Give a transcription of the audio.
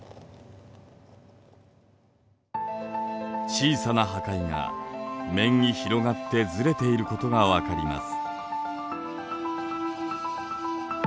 小さな破壊が面に広がってずれていることが分かります。